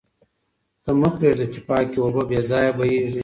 ته مه پرېږده چې پاکې اوبه بې ځایه بهېږي.